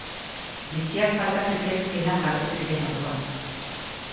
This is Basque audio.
Bitxiak falta zitzaizkiela jabetu ziren orduan.